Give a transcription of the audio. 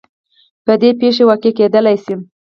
بدې پېښې واقع کېدلی شي.